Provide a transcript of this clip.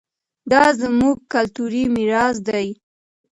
دا زموږ کلتوري ميراث دی.